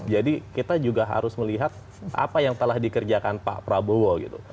kita juga harus melihat apa yang telah dikerjakan pak prabowo gitu